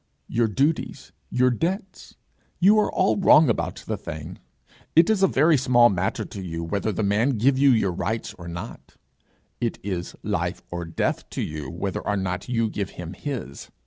'Your duties your debts. You are all wrong about the thing. It is a very small matter to you whether the man give you your rights or not; it is life or death to you whether or not you give him his.